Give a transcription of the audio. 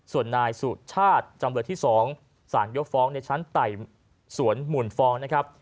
ส่วนนายสุชาติจำเลยที่๒สารยกฟ้องในชั้นไต่สวนหมุนฟ้องนะครับ